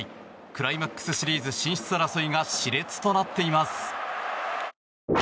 クライマックスシリーズ進出争いが熾烈となっています。